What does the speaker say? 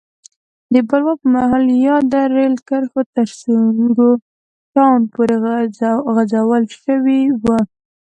د بلوا پر مهال یاده رېل کرښه تر سونګو ټاون پورې غځول شوې وه.